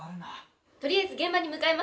とりあえず現場に向かいます。